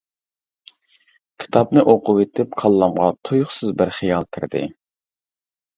كىتابنى ئوقۇۋېتىپ كاللامغا تۇيۇقسىز بىر خىيال كىردى.